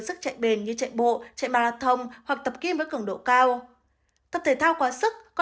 sức chạy bền như chạy bộ chạy marathon hoặc tập kim với cường độ cao tập thể thao quá sức có